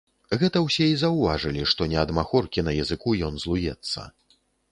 Гэта ўсе і заўважылі, што не ад махоркі на языку ён злуецца.